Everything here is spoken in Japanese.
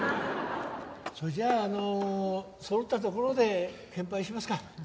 それじゃああのそろったところで献杯しますか。